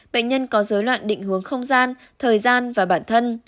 bệnh nhân có dối loạn định hướng không gian thời gian và bản thân